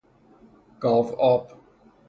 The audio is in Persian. گاو آب